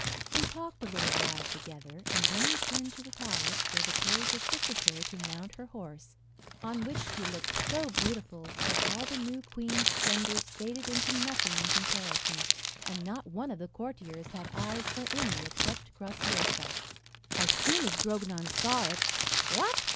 They talked a little while together, and then returned to the palace, where the page assisted her to mount her horse; on which she looked so beautiful, that all the new queen's splendours faded into nothing in comparison, and not one of the courtiers had eyes for any except Graciosa. As soon as Grognon saw it, "What!"